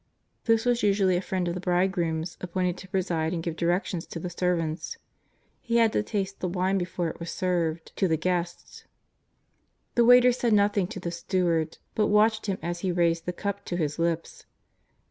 This was usually a friend of the bridegroom's ap pointed to preside and give directions to the servants. He had to taste the wine before it was served to the 142 JESUS OF NAZARETH. guests. The waiters said nothing to the steward, but watched him as he raised the cup to his lips.